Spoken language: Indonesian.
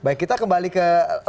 baik kita kembali ke